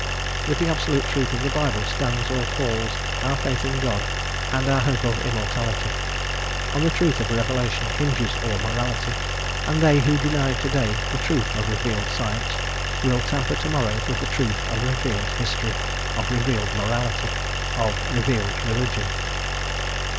With the absolute truth of the Bible stands or falls our faith in God and our hope of immortality; on the truth of revelation hinges all morality, and they who deny to day the truth of revealed science will tamper tomorrow with the truth of revealed history, of revealed morality, of revealed religion.